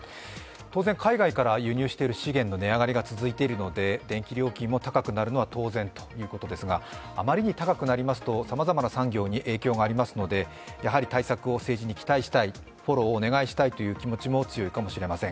当然、海外から輸入している資源の値上げが続いているので電気料金も高くなるのは当然ということなんですが、あまりに高くなりますとさまざまな産業に影響がありますのでやはり対策を政治に期待したい、フォローをお願いしたいという気持ちも強いかもしれません。